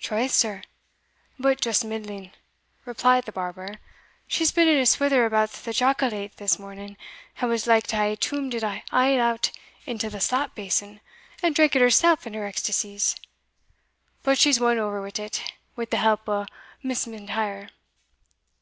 "Troth, sir, but just middling," replied the barber; "she's been in a swither about the jocolate this morning, and was like to hae toomed it a' out into the slap bason, and drank it hersell in her ecstacies but she's won ower wi't, wi' the help o' Miss M'Intyre."